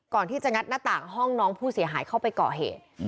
ก่อนที่จะงัดหน้าต่างห้องน้องผู้เสียหายเข้าไปเกาะเหตุอืม